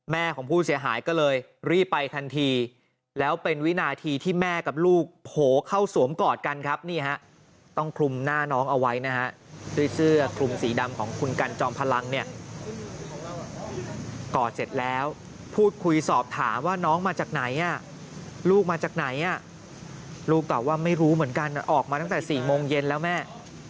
ของผู้เสียหายก็เลยรีบไปทันทีแล้วเป็นวินาทีที่แม่กับลูกโผล่เข้าสวมกอดกันครับนี่ฮะต้องคลุมหน้าน้องเอาไว้นะฮะด้วยเสื้อคลุมสีดำของคุณกันจอมพลังเนี่ยกอดเสร็จแล้วพูดคุยสอบถามว่าน้องมาจากไหนลูกมาจากไหนลูกตอบว่าไม่รู้เหมือนกันออกมาตั้งแต่๔โมงเย็นแล้วแม่